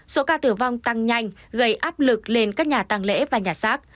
số ca tử vong tăng nhanh gây áp lực lên các nhà tăng lễ và nhà xác